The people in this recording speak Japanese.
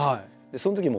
そのときは。